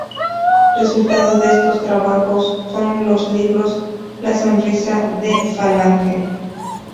Resultado de estos trabajos son los libros "La sonrisa de Falange.